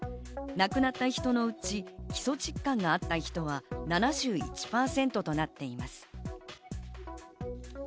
亡くなった人のうち、基礎疾患があった人は７１％となっています。